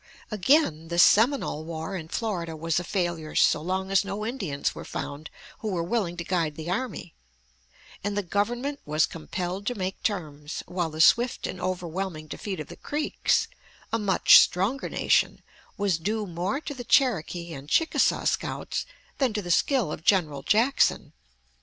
Again, the Seminole war in Florida was a failure so long as no Indians were found who were willing to guide the army, and the Government was compelled to make terms, while the swift and overwhelming defeat of the Creeks, a much stronger nation, was due more to the Cherokee and Chickasaw scouts than to the skill of General Jackson.